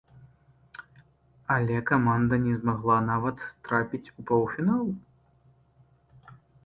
Але каманда не змагла нават трапіць у паўфінал!